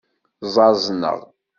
Ẓẓaẓneɣ.